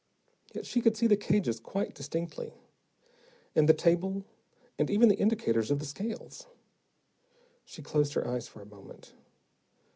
Yet she could see the cages quite distinctly, and the table and even the indicators of the scales. She closed her eyes for a moment.